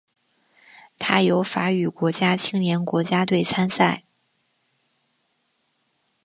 它由法语国家青年国家队参赛。